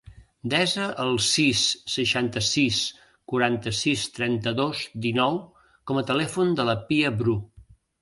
Desa el sis, seixanta-sis, quaranta-sis, trenta-dos, dinou com a telèfon de la Pia Bru.